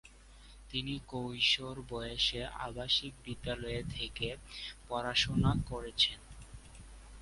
তিনি কৈশোর বয়সে আবাসিক বিদ্যালয়ে থেকে পড়াশুনো করেছেন।